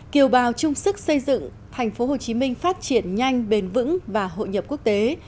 kiều bào chung sức xây dựng tp hcm phát triển nhanh bền vững và hội nhập quốc tế